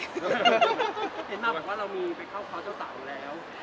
เห็นมาว่าเรามีไปเข้าเขาเจ้าสาวแล้ว